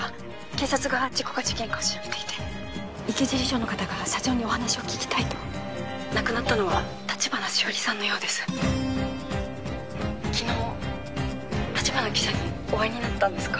警察が事故か事件かを調べていて池尻署の方が社長にお話を聞きたいと☎亡くなったのは橘しおりさんのようです☎昨日橘記者にお会いになったんですか？